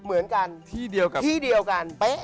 เหมือนกันที่เดียวกัน